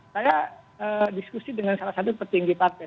saya diskusi dengan salah satu petinggi partai